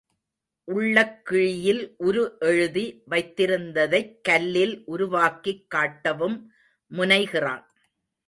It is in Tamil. உள்ளக் கிழியில் உரு எழுதி வைத்திருந்ததைக் கல்லில் உருவாக்கிக் காட்டவும் முனைகிறான்.